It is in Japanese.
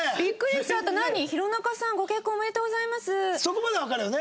そこまではわかるよね。